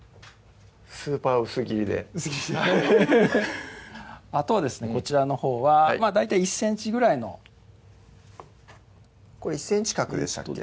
スーパー薄切りで薄切りでハハハッあとはですねこちらのほうは大体１ｃｍぐらいのこれ１ｃｍ角でしたっけ？